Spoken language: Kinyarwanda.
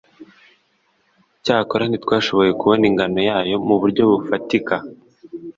cyakora ntitwashoboye kubona ingano yayo mu buryo bufatika